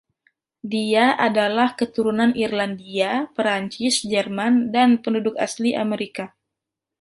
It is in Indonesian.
Dia adalah keturunan Irlandia, Perancis, Jerman, dan penduduk asli Amerika.